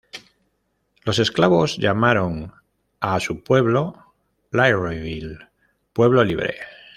Los esclavos llamaron a su pueblo Libreville, ""pueblo libre"".